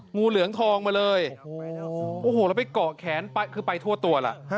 งูเหลืองทองมาเลยโอ้โหแล้วไปเกาะแขนคือไปทั่วตัวล่ะ